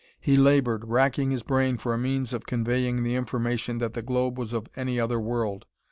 He labored, racking his brain for a means of conveying the information that the globe was of any other world....